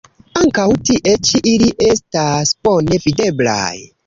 Ankaŭ tie ĉi ili estas bone videblaj.